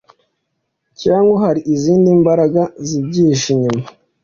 Cyangwa hari izindi mbaraga zibyihishe inyuma